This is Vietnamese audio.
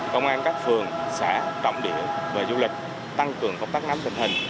công an các phường xã trọng địa về du lịch tăng cường công tác nắm tình hình